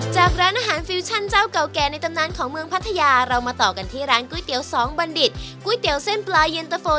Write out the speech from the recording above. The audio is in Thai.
ร้านอาหารฟิวชั่นเจ้าเก่าแก่ในตำนานของเมืองพัทยาเรามาต่อกันที่ร้านก๋วยเตี๋ยวสองบัณฑิตก๋วยเตี๋ยวเส้นปลาเย็นตะโฟ